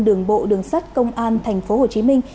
đường bộ đường sắt công an thành phố hồ chí minh